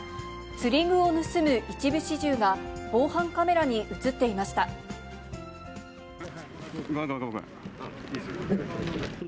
釣り具を盗む一部始終が、防犯カメラに写っていました。